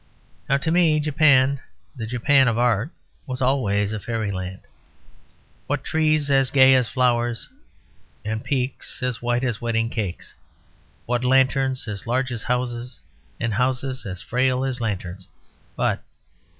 Now to me, Japan, the Japan of Art, was always a fairyland. What trees as gay as flowers and peaks as white as wedding cakes; what lanterns as large as houses and houses as frail as lanterns!... but...